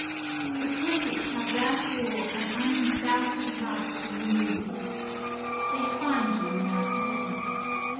The critics have therefore an undoubted right to maul you; they find you in their province.